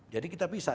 jadi kita bisa